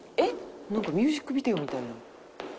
「なんかミュージックビデオみたいな」